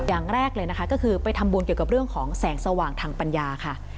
อย่างแรกเลยนะคะก็คือไปทำบุญเกี่ยวกับเรื่องของแสงสว่างทางปัญญาค่ะ